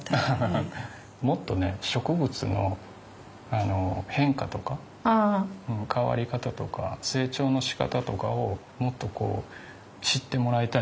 もっとね植物の変化とか変わり方とか成長のしかたとかをもっと知ってもらいたいというのがあって。